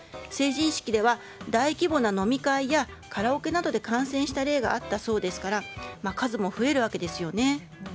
成人式では大規模な飲み会やカラオケなどで感染した例があったそうですから数も増えるわけですよね。